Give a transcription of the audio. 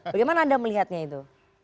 bagaimana anda melihatnya itu